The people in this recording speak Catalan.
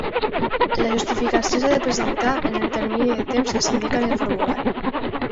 La justificació s'ha de presentar en el termini de temps que s'indica en el formulari.